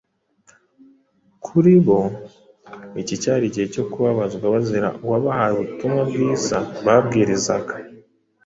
Kuri bo iki cyari igihe cyo kubabazwa bazira Uwabahaye ubutumwa bwiza babwirizaga